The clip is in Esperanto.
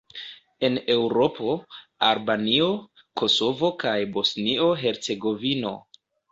En Eŭropo: Albanio, Kosovo kaj Bosnio-Hercegovino.